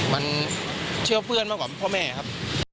มันเชื่อเพื่อนมากกว่าพ่อแม่ครับ